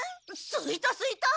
すいたすいた！